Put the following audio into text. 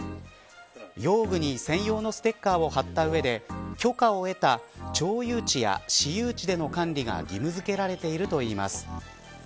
用具に専用のステッカーを張った上で許可を得た町有地や私有地での管理が義務付けられているといいます。